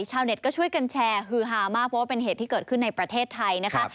ชาวเน็ตก็ช่วยกันแชร์ฮือฮามากเพราะว่าเป็นเหตุที่เกิดขึ้นในประเทศไทยนะคะ